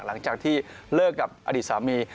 หลังจากที่เลิกกับอดีตสามี